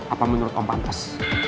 apa menurut om pantas